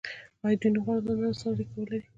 آیا دوی نه غواړي له نړۍ سره اړیکه ولري؟